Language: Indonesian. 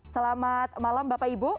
selamat malam bapak ibu